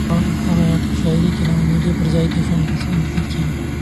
د هغه په شاعرۍ کې د ناامیدۍ پر ځای د ژوند هڅه لیدل کېږي.